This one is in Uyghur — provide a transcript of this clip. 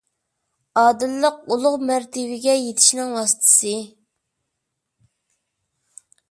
ئادىللىق – ئۇلۇغ مەرتىۋىگە يېتىشنىڭ ۋاسىتىسى.